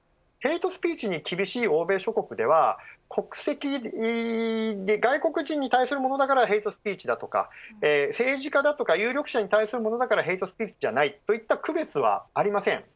ヘイトスピーチに厳しい欧米諸国では国籍で外国人に対するものだからヘイトスピーチであるとか政治家だとか有力者に対するものだからヘイトスピーチじゃないという区別はありません。